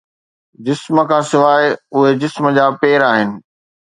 جسم کان سواءِ، اهي جسم جا پير آهن